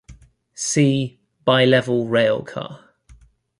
See Bilevel rail car.